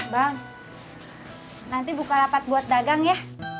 bang nanti buka rapat buat dagang ya